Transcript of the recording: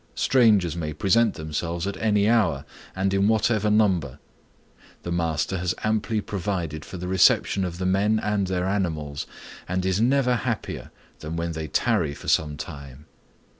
Strangers may present themselves at any hour and in whatever number; the master has amply provided for the reception of the men and their animals, and is never happier than when they tarry for some time.